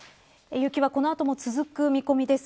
雪がこの後も続く見込みです。